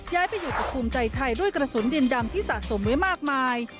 ย้ายไปอยู่กับภูมิใจไทยด้วยกระสุนดินดำที่สะสมไว้มากมาย